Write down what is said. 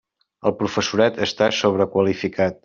El professorat està sobrequalificat.